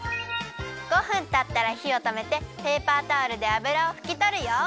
５分たったらひをとめてペーパータオルであぶらをふきとるよ。